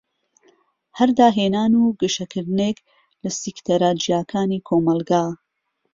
هەر داهێنان و گەشەکردنێك لە سیکتەرە جیاکانی کۆمەلگا.